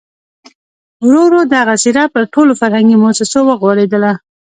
ورو ورو دغه څېره پر ټولو فرهنګي مؤسسو وغوړېدله.